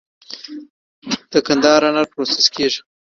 د قندهار انار پروسس کیږي؟